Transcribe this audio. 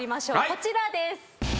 こちらです。